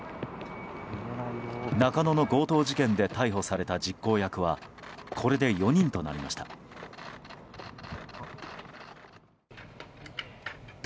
中野の強盗事件で逮捕された実行役はこれで４人となりました。